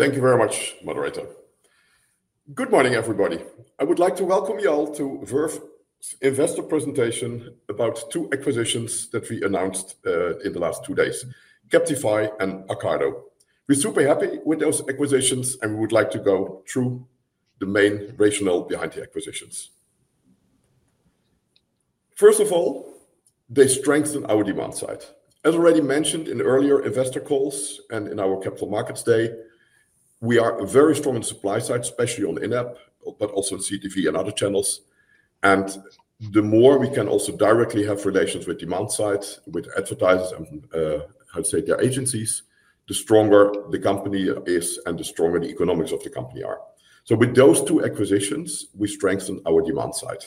Thank you very much, moderator. Good morning, everybody. I would like to welcome you all to Verve Group SE's investor presentation about two acquisitions that we announced in the last two days: Captify and Arcado. We're super happy with those acquisitions, and we would like to go through the main rationale behind the acquisitions. First of all, they strengthen our demand side. As already mentioned in earlier investor calls and in our Capital Markets Day, we are very strong on the supply side, especially on in-app, but also on CTV and other channels. The more we can also directly have relations with demand sides, with advertisers, and I'd say their agencies, the stronger the company is and the stronger the economics of the company are. With those two acquisitions, we strengthen our demand side.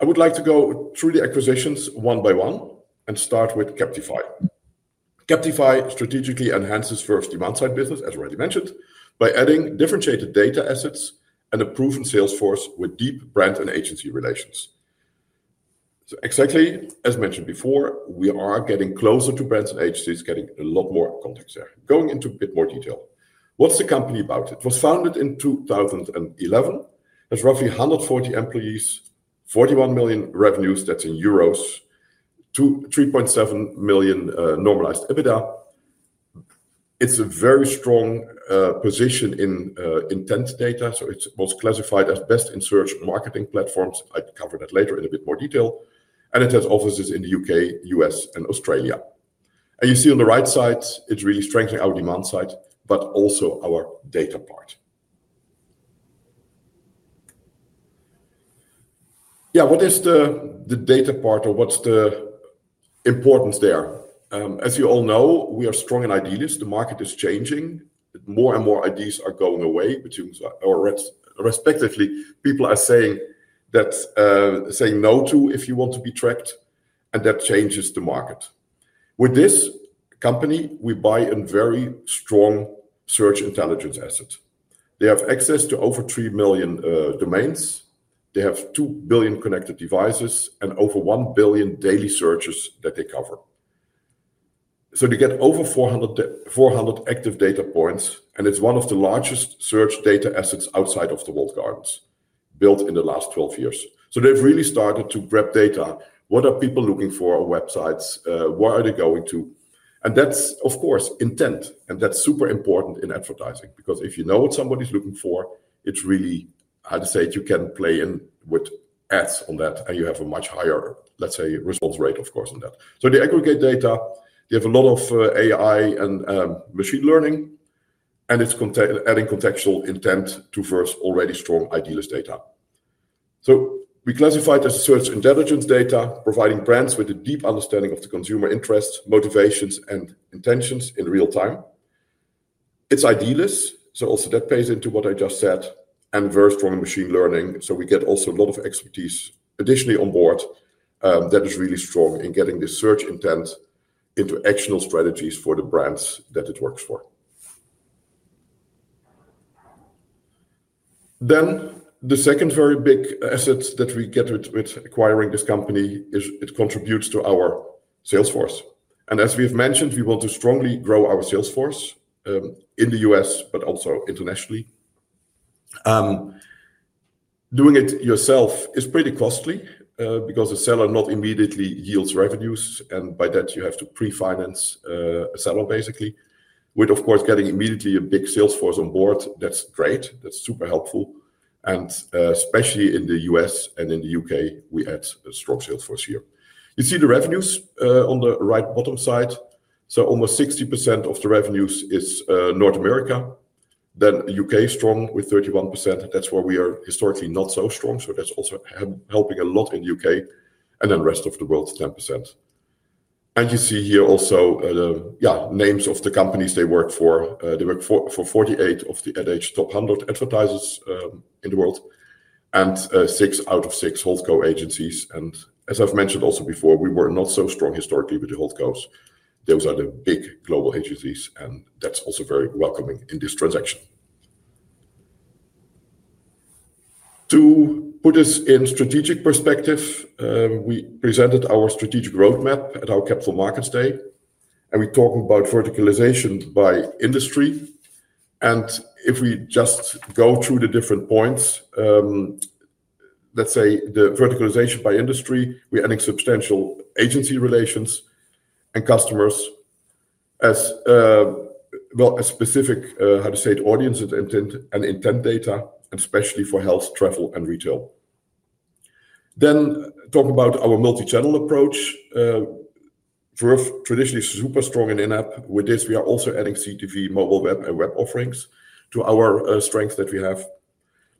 I would like to go through the acquisitions one by one and start with Captify. Captify strategically enhances Verve Group SE's demand side business, as already mentioned, by adding differentiated data assets and a proven sales force with deep brand and agency relations. Exactly as mentioned before, we are getting closer to brands and agencies, getting a lot more context there. Going into a bit more detail. What's the company about? It was founded in 2011. It has roughly 140 employees, €41 million revenues, €3.7 million normalized EBITDA. It's a very strong position in intent data, so it was classified as best in search and marketing platforms. I'll cover that later in a bit more detail. It has offices in the UK, US, and Australia. You see on the right side, it really strengthens our demand side, but also our data part. What is the data part or what's the importance there? As you all know, we are strong in ID-Less solutions. The market is changing. More and more IDs are going away. Respectively, people are saying no to if you want to be tracked, and that changes the market. With this company, we buy a very strong search intelligence asset. They have access to over 3 million domains. They have 2 billion connected devices and over 1 billion daily searches that they cover. They get over 400 active data points, and it's one of the largest search data assets outside of the walled gardens built in the last 12 years. They've really started to grab data. What are people looking for on websites? Where are they going to? That's, of course, intent. That's super important in advertising because if you know what somebody's looking for, it's really, I'd say you can play in with ads on that, and you have a much higher, let's say, response rate, of course, on that. The aggregate data, you have a lot of AI and machine learning, and it's adding contextual intent to Verve's already strong ID-Less data. We classify it as search intelligence data, providing brands with a deep understanding of the consumer interests, motivations, and intentions in real time. It's ID-Less, so also that plays into what I just said, and Verve's strong in machine learning. We get also a lot of expertise additionally on board that is really strong in getting this search intent into actionable strategies for the brands that it works for. The second very big asset that we get with acquiring this company is it contributes to our sales force. As we have mentioned, we want to strongly grow our sales force in the U.S., but also internationally. Doing it yourself is pretty costly because a seller not immediately yields revenues, and by that you have to pre-finance a seller, basically. With, of course, getting immediately a big sales force on board, that's great. That's super helpful. Especially in the U.S. and in the UK, we add a strong sales force here. You see the revenues on the right bottom side. Almost 60% of the revenues is North America. UK is strong with 31%. That's why we are historically not so strong. That's also helping a lot in the UK. The rest of the world, 10%. You see here also names of the companies they work for. They work for 48 of the AdAge top 100 advertisers in the world and six out of six Whole Co agencies. As I've mentioned also before, we were not so strong historically with the Whole Cos. Those are the big global agencies, and that's also very welcoming in this transaction. To put us in a strategic perspective, we presented our strategic roadmap at our Capital Markets Day, and we talk about verticalization by industry. If we just go through the different points, the verticalization by industry, we're adding substantial agency relations and customers as well as specific, how to say it, audiences and intent data, and especially for health, travel, and retail. Talking about our multi-channel approach, Verve traditionally is super strong in in-app. With this, we are also adding CTV, mobile web, and web offerings to our strengths that we have.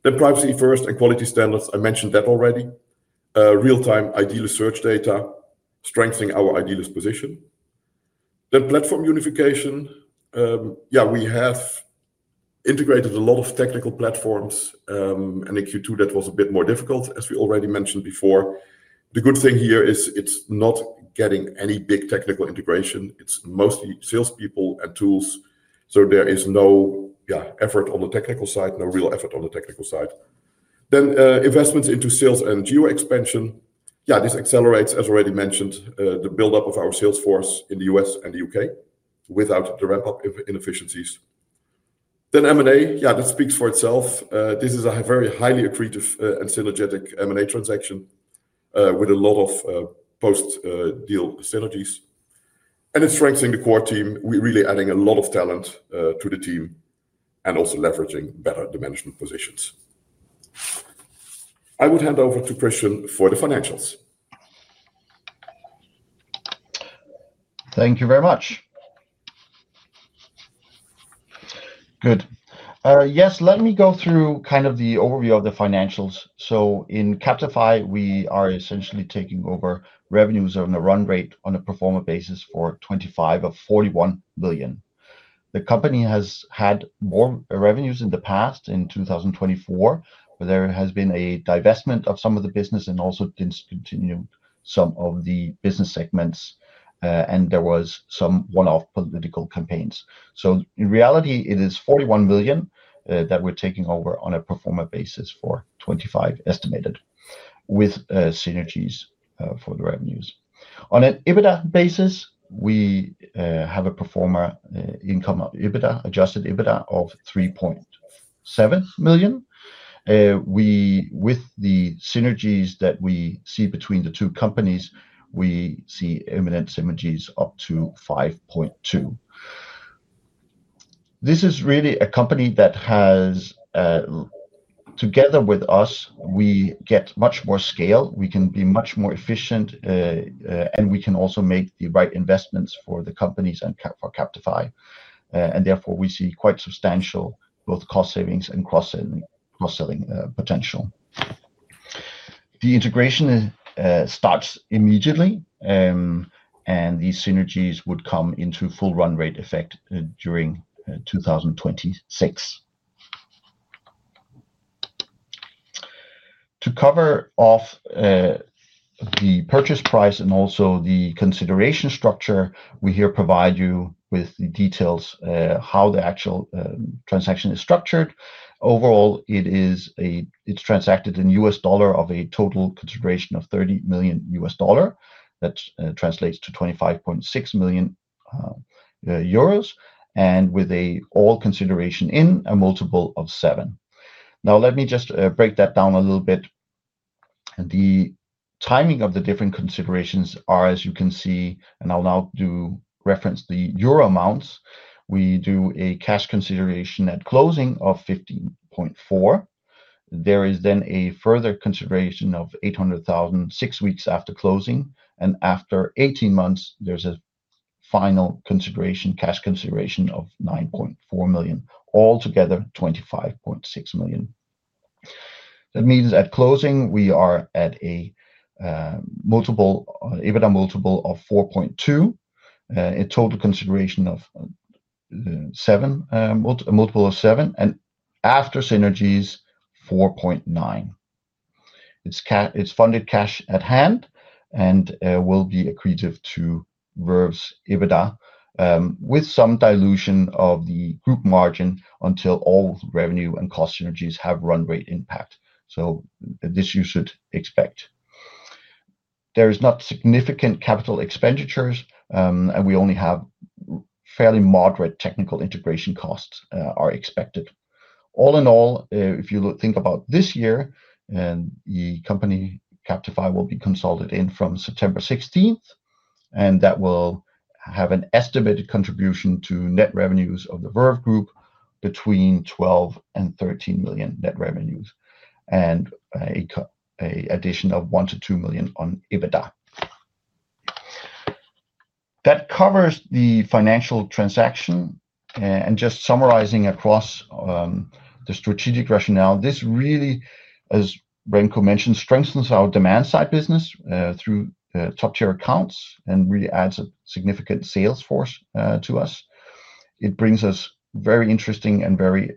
Privacy first and quality standards, I mentioned that already. Real-time ID-Less search data, strengthening our ID-Less position. Platform unification, we have integrated a lot of technical platforms, and in Q2, that was a bit more difficult, as we already mentioned before. The good thing here is it's not getting any big technical integration. It's mostly salespeople and tools, so there is no effort on the technical side, no real effort on the technical side. Investments into sales and geo expansion, this accelerates, as already mentioned, the buildup of our sales force in the U.S. and the UK without the ramp-up inefficiencies. M&A, that speaks for itself. This is a very highly accretive and synergetic M&A transaction with a lot of post-deal synergies. It's strengthening the core team. We're really adding a lot of talent to the team and also leveraging better management positions. I would hand over to Christian for the financials. Thank you very much. Good. Yes, let me go through kind of the overview of the financials. So in Captify, we are essentially taking over revenues on a run rate on a pro forma basis for 2025 of $41 million. The company has had more revenues in the past, in 2024, but there has been a divestment of some of the business and also discontinuing some of the business segments. There was some one-off political campaigns. In reality, it is $41 million that we're taking over on a pro forma basis for 2025, estimated, with synergies for the revenues. On an EBITDA basis, we have a pro forma income of EBITDA, adjusted EBITDA of $3.7 million. With the synergies that we see between the two companies, we see imminent synergies up to $5.2 million. This is really a company that has, together with us, we get much more scale, we can be much more efficient, and we can also make the right investments for the companies and for Captify. Therefore, we see quite substantial both cost savings and cross-selling potential. The integration starts immediately, and these synergies would come into full run rate effect during 2026. To cover off the purchase price and also the consideration structure, we here provide you with the details how the actual transaction is structured. Overall, it's transacted in U.S. dollar of a total consideration of $30 million. That translates to €25.6 million, and with an all consideration in a multiple of seven. Now, let me just break that down a little bit. The timing of the different considerations are, as you can see, and I'll now do reference the euro amounts. We do a cash consideration at closing of €15.4 million. There is then a further consideration of €0.8 million six weeks after closing. After 18 months, there's a final consideration, cash consideration of €9.4 million, altogether €25.6 million. That means at closing, we are at an EBITDA multiple of 4.2, a total consideration of a multiple of seven, and after synergies 4.9. It's funded cash at hand and will be accretive to Verve Group SE's EBITDA with some dilution of the group margin until all revenue and cost synergies have run rate impact. This you should expect. There is not significant capital expenditures, and we only have fairly moderate technical integration costs that are expected. All in all, if you think about this year, and the company Captify will be consolidated in from September 16th, and that will have an estimated contribution to net revenues of the Verve Group SE between $12 million and $13 million net revenues, and an addition of $1 million to $2 million on adjusted EBITDA. That covers the financial transaction. Just summarizing across the strategic rationale, this really, as Remco mentioned, strengthens our demand-side capabilities through top-tier accounts and really adds a significant sales force to us. It brings us very interesting and very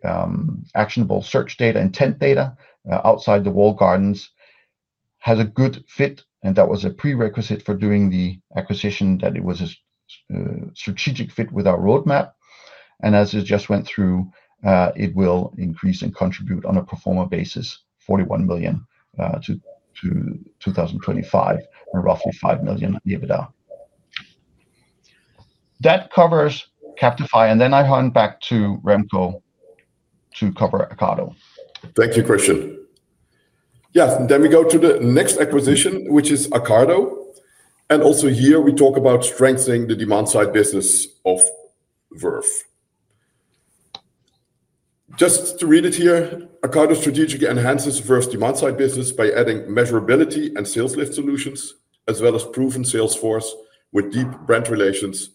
actionable search intelligence data, intent data outside the walled gardens. It has a good fit, and that was a prerequisite for doing the acquisition that it was a strategic fit with our roadmap. As I just went through, it will increase and contribute on a pro forma basis, $41 million to 2025, and roughly $5 million adjusted EBITDA. That covers Captify, and then I'll hand back to Remco to cover Arcado. Thank you, Christian. Yeah, then we go to the next acquisition, which is Arcado. Also here, we talk about strengthening the demand side business of Verve. Just to read it here, Arcado strategically enhances Verve's demand side business by adding measurability and sales lift solutions, as well as proven sales force with deep brand relations,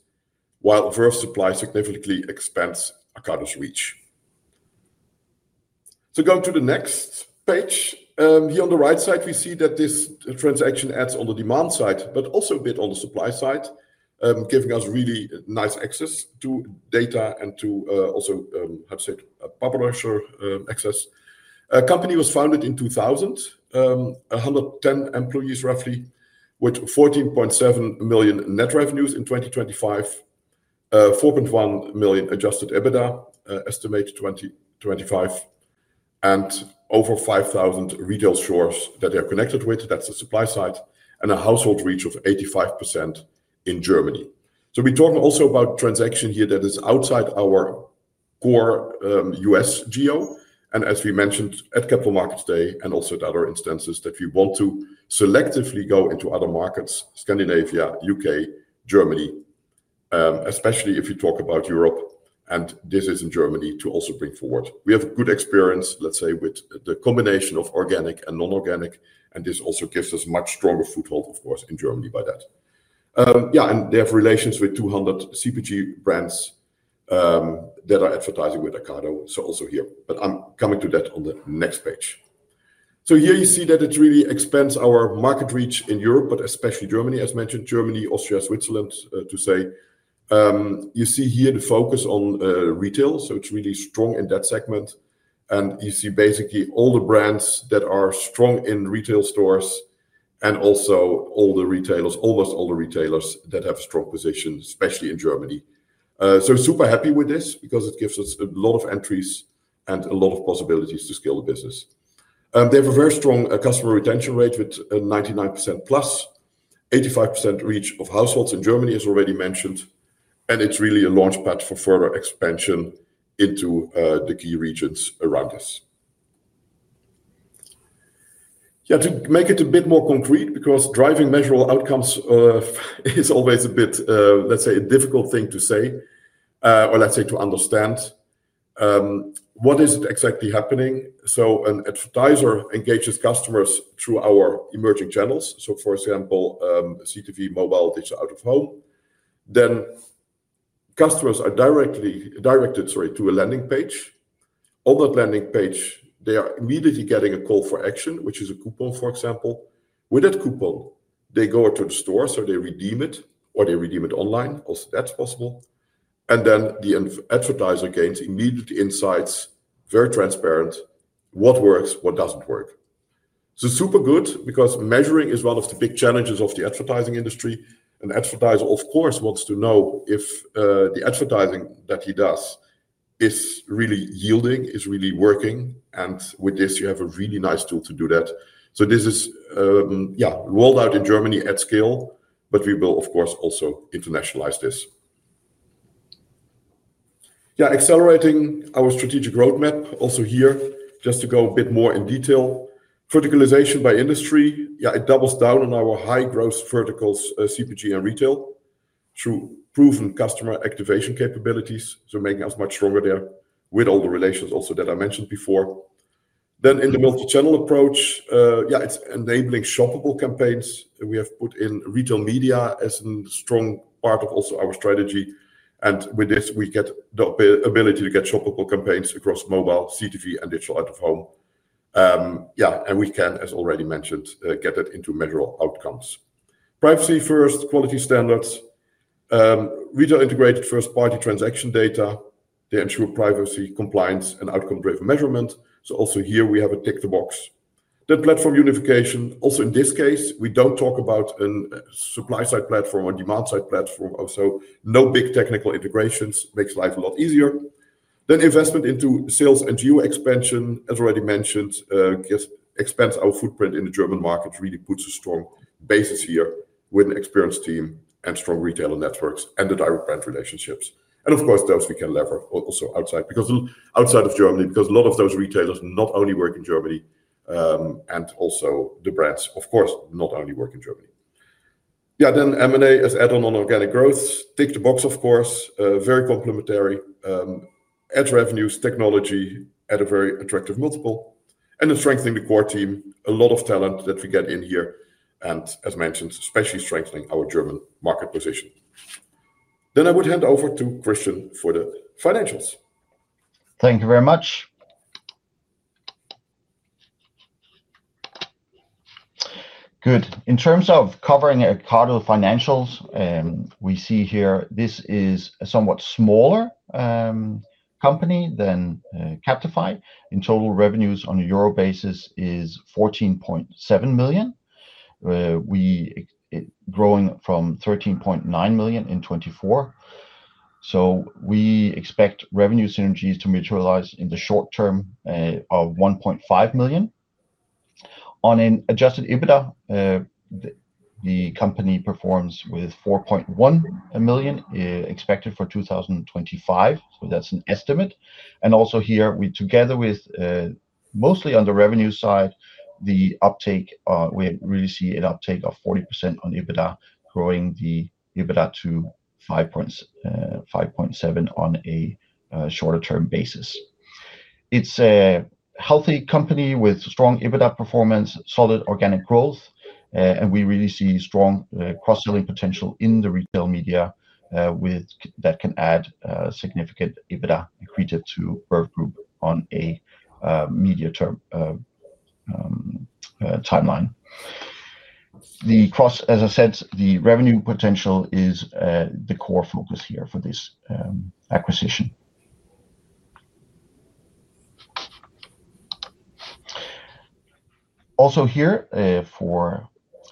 while Verve's supply significantly expands Arcado's reach. Going to the next page, here on the right side, we see that this transaction adds on the demand side, but also a bit on the supply side, giving us really nice access to data and to also, how to say it, publisher access. The company was founded in 2000, 110 employees roughly, with €14.7 million net revenues in 2025, €4.1 million adjusted EBITDA, estimated 2025, and over 5,000 retail stores that they are connected with. That's the supply side, and a household reach of 85% in Germany. We talk also about a transaction here that is outside our core U.S. geo. As we mentioned at Capital Markets Day and also at other instances that we want to selectively go into other markets, Scandinavia, UK, Germany, especially if you talk about Europe, and this is in Germany to also bring forward. We have a good experience, let's say, with the combination of organic and non-organic, and this also gives us a much stronger foothold, of course, in Germany by that. Yeah, and they have relations with 200 CPG brands that are advertising with Arcado, so also here. I'm coming to that on the next page. Here you see that it really expands our market reach in Europe, but especially Germany, as mentioned, Germany, Austria, Switzerland, to say. You see here the focus on retail, so it's really strong in that segment. You see basically all the brands that are strong in retail stores and also all the retailers, almost all the retailers that have strong positions, especially in Germany. Super happy with this because it gives us a lot of entries and a lot of possibilities to scale the business. They have a very strong customer retention rate with 99% plus. 85% reach of households in Germany as already mentioned. It's really a launchpad for further expansion into the key regions around us. To make it a bit more concrete, because driving measurable outcomes is always a bit, let's say, a difficult thing to say, or let's say to understand, what is it exactly happening? An advertiser engages customers through our emerging channels. For example, CTV, mobile, digital out of home. Customers are directed to a landing page. On that landing page, they are immediately getting a call for action, which is a coupon, for example. With that coupon, they go to the store, so they redeem it, or they redeem it online. Also, that's possible. The advertiser gains immediate insights, very transparent, what works, what doesn't work. It's super good because measuring is one of the big challenges of the advertising industry. An advertiser, of course, wants to know if the advertising that he does is really yielding, is really working. With this, you have a really nice tool to do that. This is rolled out in Germany at scale, but we will, of course, also internationalize this. Accelerating our strategic roadmap also here, just to go a bit more in detail. Verticalization by industry doubles down on our high growth verticals, CPG and retail, through proven customer activation capabilities, making us much stronger there with all the relations also that I mentioned before. In the multi-channel approach, it's enabling shoppable campaigns. We have put in retail media as a strong part of also our strategy. With this, we get the ability to get shoppable campaigns across mobile, CTV, and digital out of home, and we can, as already mentioned, get that into measurable outcomes. Privacy first, quality standards. Retail integrated first-party transaction data. They ensure privacy, compliance, and outcome-driven measurement. Also here we have a tick-to-box. Platform unification. Also in this case, we don't talk about a supply-side platform or demand-side platform. No big technical integrations make life a lot easier. Investment into sales and geo expansion, as already mentioned, expands our footprint in the German market, really puts a strong basis here with an experienced team and strong retailer networks and the direct brand relationships. Of course, those we can leverage also outside of Germany, because a lot of those retailers not only work in Germany, and also the brands, of course, not only work in Germany. M&A as add-on on organic growth, tick-to-box, of course, very complementary. Add revenues, technology at a very attractive multiple. Strengthening the core team, a lot of talent that we get in here. As mentioned, especially strengthening our German market position. I would hand over to Christian for the financials. Thank you very much. Good. In terms of covering Arcado financials, we see here this is a somewhat smaller company than Captify. In total, revenues on a euro basis is €14.7 million. We're growing from €13.9 million in 2024. We expect revenue synergies to materialize in the short term of €1.5 million. On an adjusted EBITDA, the company performs with €4.1 million expected for 2025. That's an estimate. Also here, together with mostly on the revenue side, we really see an uptake of 40% on EBITDA, growing the EBITDA to €5.7 million on a shorter-term basis. It's a healthy company with strong EBITDA performance, solid organic growth, and we really see strong cross-selling potential in the retail media that can add significant EBITDA accreted to Verve Group SE on a media term timeline. The revenue potential is the core focus here for this acquisition. Also here for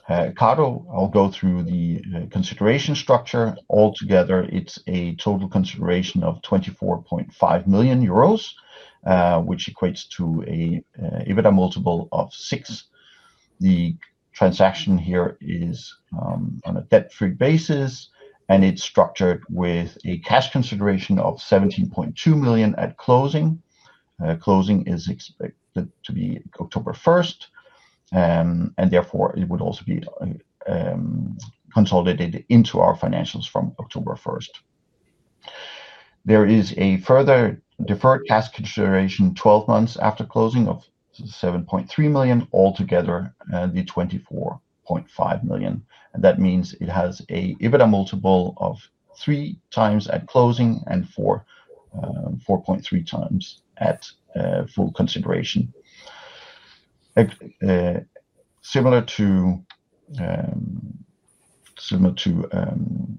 Arcado, I'll go through the consideration structure. Altogether, it's a total consideration of €24.5 million, which equates to an EBITDA multiple of six. The transaction here is on a debt-free basis, and it's structured with a cash consideration of €17.2 million at closing. Closing is expected to be October 1, and therefore it would also be consolidated into our financials from October 1. There is a further deferred cash consideration 12 months after closing of €7.3 million, altogether the €24.5 million. That means it has an EBITDA multiple of three times at closing and 4.3 times at full consideration. Similar to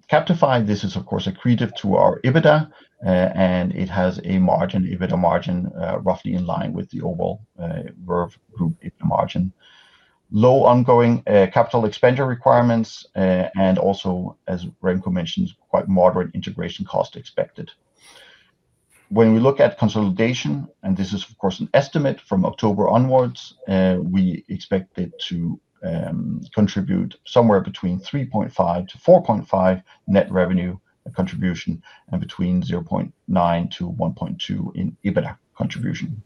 Captify, this is of course accretive to our EBITDA, and it has an EBITDA margin roughly in line with the overall Verve Group SE EBITDA margin. Low ongoing capital expenditure requirements, and also, as Remco mentioned, quite moderate integration cost expected. When we look at consolidation, and this is of course an estimate from October onwards, we expect it to contribute somewhere between €3.5 to €4.5 million net revenue contribution and between €0.9 to €1.2 million in EBITDA contribution.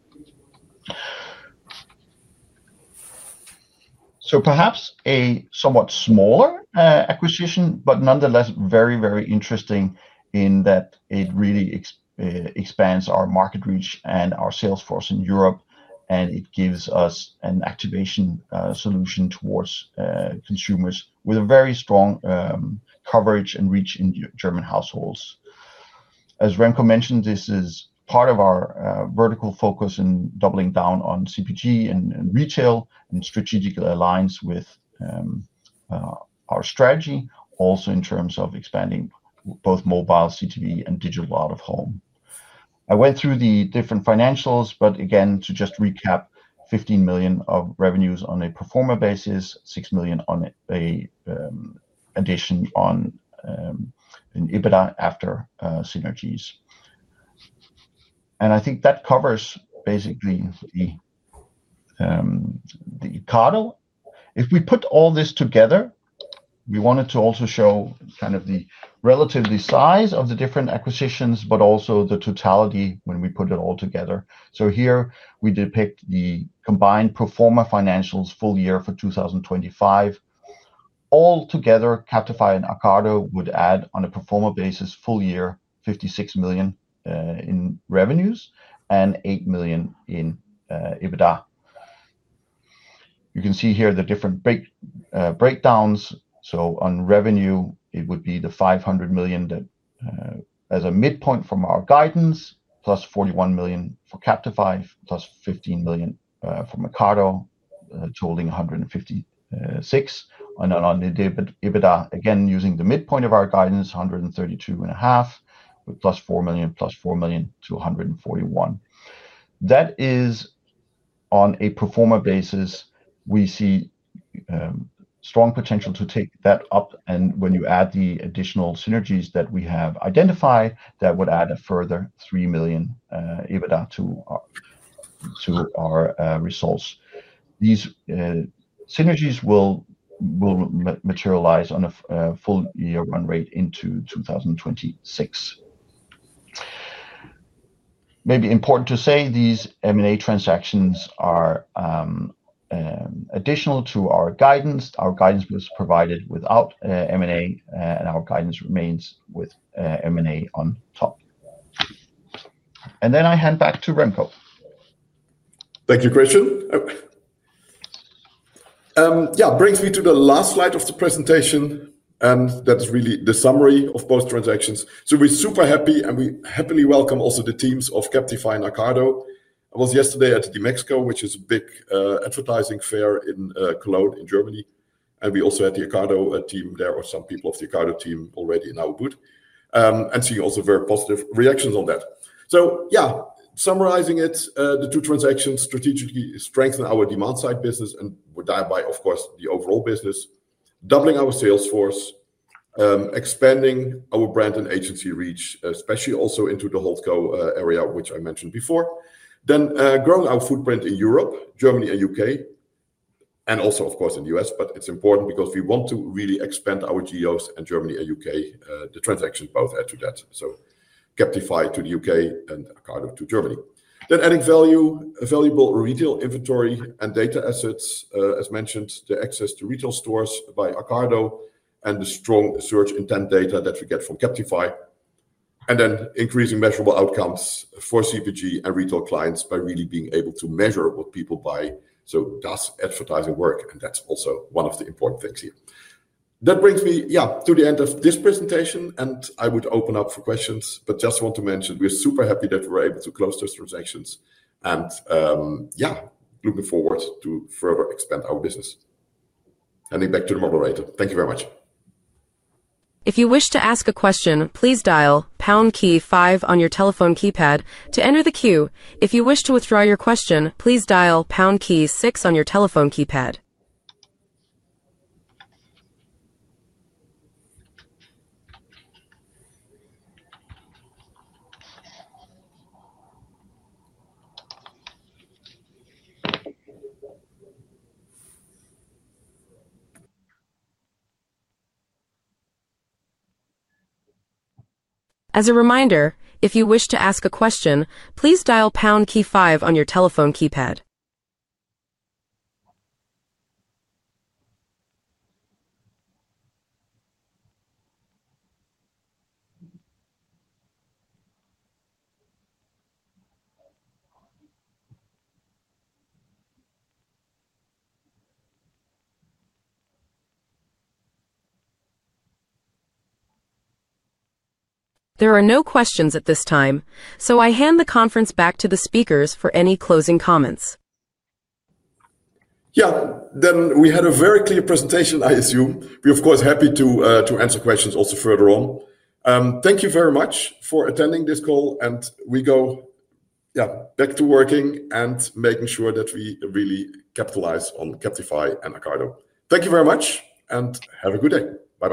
Perhaps a somewhat smaller acquisition, but nonetheless very, very interesting in that it really expands our market reach and our sales force in Europe, and it gives us an activation solution towards consumers with a very strong coverage and reach in German households. As Remco mentioned, this is part of our vertical focus in doubling down on CPG and retail and strategically aligns with our strategy, also in terms of expanding both mobile, CTV, and digital out of home. I went through the different financials, but again, to just recap, $15 million of revenues on a pro forma basis, $6 million on an addition on an adjusted EBITDA after synergies. I think that covers basically the Arcado. If we put all this together, we wanted to also show kind of the relative size of the different acquisitions, but also the totality when we put it all together. Here we depict the combined pro forma financials full year for 2025. Altogether, Captify and Arcado would add on a pro forma basis full year $56 million in revenues and $8 million in adjusted EBITDA. You can see here the different breakdowns. On revenue, it would be the $500 million that, as a midpoint from our guidance, plus $41 million for Captify, plus $15 million for Arcado, totaling $556 million. On the adjusted EBITDA, again, using the midpoint of our guidance, $132.5 million, plus $4 million, plus $4 million to $141 million. That is on a pro forma basis. We see strong potential to take that up. When you add the additional synergies that we have identified, that would add a further $3 million adjusted EBITDA to our results. These synergies will materialize on a full year run rate into 2026. Maybe important to say these M&A transactions are additional to our guidance. Our guidance was provided without M&A, and our guidance remains with M&A on top. I hand back to Remco. Thank you, Christian. That brings me to the last slide of the presentation. That is really the summary of both transactions. We're super happy, and we happily welcome also the teams of Captify and Arcado. I was yesterday at the DMEXCO, which is a big advertising fair in Cologne in Germany. We also had the Arcado team there, or some people of the Arcado team already in our booth, and seeing also very positive reactions on that. Summarizing it, the two transactions strategically strengthen our demand-side business and thereby, of course, the overall business, doubling our sales force, expanding our brand and agency reach, especially also into the Whole Co area, which I mentioned before. Growing our footprint in Europe, Germany, and UK, and also, of course, in the US. It's important because we want to really expand our geos in Germany and UK. The transactions both add to that, so Captify to the UK and Arcado to Germany. Adding valuable retail inventory and data assets, as mentioned, the access to retail stores by Arcado and the strong search intent data that we get from Captify. Increasing measurable outcomes for CPG and retail clients by really being able to measure what people buy. Does advertising work? That's also one of the important things here. That brings me to the end of this presentation. I would open up for questions, but just want to mention we're super happy that we're able to close those transactions. Looking forward to further expand our business. Handing back to the moderator. Thank you very much. If you wish to ask a question, please dial pound key five on your telephone keypad to enter the queue. If you wish to withdraw your question, please dial pound key six on your telephone keypad. As a reminder, if you wish to ask a question, please dial pound key five on your telephone keypad. There are no questions at this time, so I hand the conference back to the speakers for any closing comments. We had a very clear presentation, I assume. We're, of course, happy to answer questions also further on. Thank you very much for attending this call. We go back to working and making sure that we really capitalize on Captify and Arcado. Thank you very much, and have a good day. Bye.